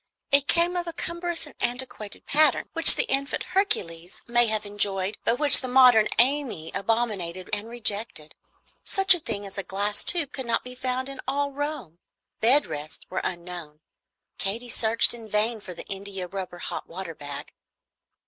It came of a cumbrous and antiquated pattern, which the infant Hercules may have enjoyed, but which the modern Amy abominated and rejected. Such a thing as a glass tube could not be found in all Rome. Bed rests were unknown. Katy searched in vain for an India rubber hot water bag.